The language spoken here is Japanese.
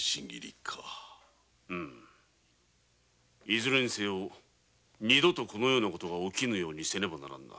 いずれにせよ二度とこのような事が起きぬようにせねばならぬ。